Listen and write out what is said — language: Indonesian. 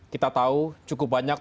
kita tahu cukup banyak